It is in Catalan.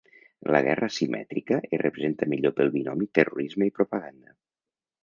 La guerra asimètrica es representa millor pel binomi terrorisme i propaganda.